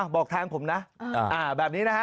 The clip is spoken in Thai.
บอกทางผมนะ